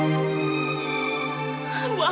selamatkanlah ibu amar